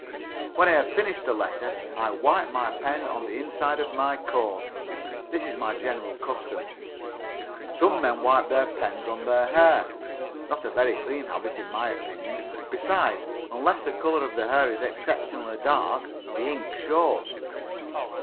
When I had finished the letter, I wiped my pen on the inside of my coat. This is my general custom. Some men wipe their pens on their hair, not a very cleanly habit, in my opinion, besides, unless the colour of the hair is exceptionally dark, the ink shows.